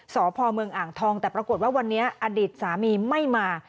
สพเมืองอ่างทองแต่ปรากฏว่าวันนี้อดีตสามีไม่มา